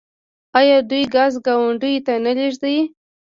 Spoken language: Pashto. آیا دوی ګاز ګاونډیو ته نه لیږي؟